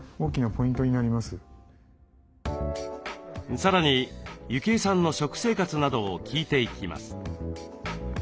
さらに幸枝さんの食生活などを聞いていきます。